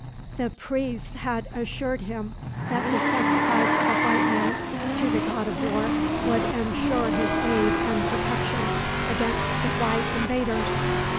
The priests had assured him that the sacrifice of a white man, to the god of war, would ensure his aid and protection against the white invaders.